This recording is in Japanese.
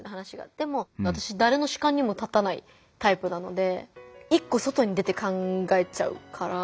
でも私誰の主観にも立たないタイプなので一個外に出て考えちゃうから。